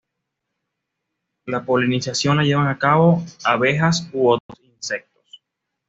La polinización la llevan a cabo abejas u otros insectos.